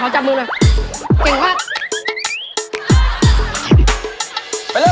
จับมูลเลยเขาจับมูลเลย